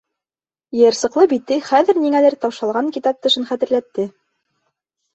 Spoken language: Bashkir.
Йыйырсыҡлы бите хәҙер ниңәлер таушалған китап тышын хәтерләтте.